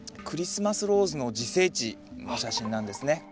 クリスマスローズの自生地の写真なんですね。